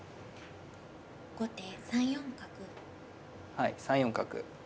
はい３四角。